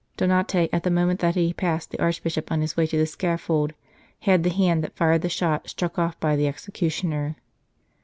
Donate, at the moment that he passed the Archbishop on his way to the scaffold, had the hand that fired the shot struck off by the executioner.